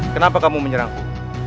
kenapa kamu menyerangku